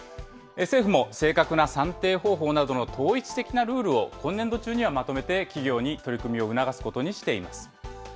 政府も正確な算定方法などの統一的なルールを、今年度中にはまとめて、企業に取り組みを促すことにしています。